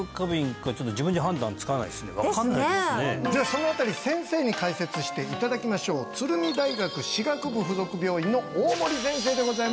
その辺り先生に解説していただきましょう鶴見大学歯学部附属病院の大森先生でございます